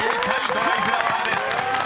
『ドライフラワー』です］